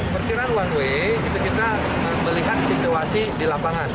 perkiraan one way kita melihat situasi di lapangan